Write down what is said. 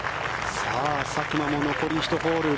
佐久間も残り１ホール。